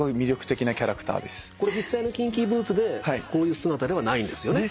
これ実際の『キンキーブーツ』でこういう姿ではないんですよね？